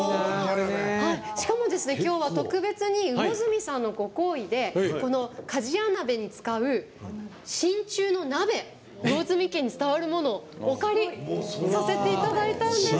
しかもですね、今日は特別に魚住さんのご厚意でこの鍛冶屋鍋に使うしんちゅうの鍋魚住家に伝わるものをお借りさせていただいたんです。